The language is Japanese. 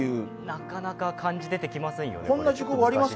なかなか漢字出てきませんよね。